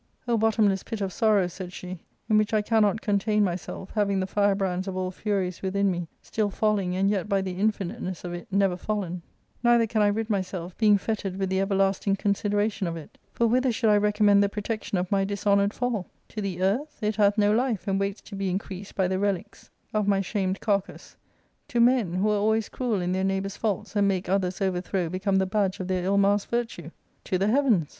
" O bottomless pit of sorrow," said she, " in which I cannot contain myself, having the firebrands of all furies within me, still falling, and yet by the infiniteness of it never fallen I Neither can I rid myself, being fettered with the everlasting consideration of it For whither should I reconunend the protection of my dishonoured fall ? To the earth ? It hath no life, and waits to be increased by the relics of my shamed • Quick buried— Bxmtdi alive. Come to judge the quick and the dead."— Apostles' Creed. ARCADIA. Saok IV. 421 Cau cass. To men — who are always cruel in their neighbour's faults, and make other's overthrow become the badge of their ill masked virtue ? To the heavens